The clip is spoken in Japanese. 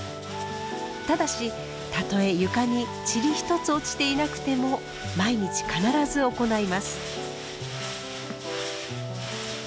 ただしたとえ床に塵一つ落ちていなくても毎日必ず行います。